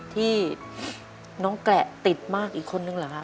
ที่น้องแกระติดมากอีกคนนึงเหรอครับ